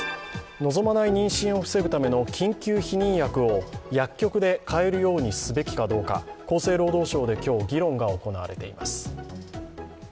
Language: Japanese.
望まない妊娠を防ぐための緊急避妊薬を薬局で買えるようにすべきかどうか、厚生労働省で今日、議論が行われています。